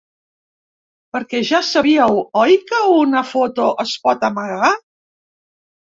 Perquè ja sabíeu, oi, que una foto es pot ‘amagar’?